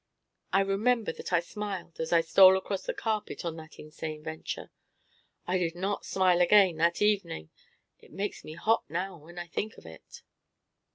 I remember that I smiled as I stole across the carpet on that insane venture. I did not smile again that evening. It makes me hot now when I think of it.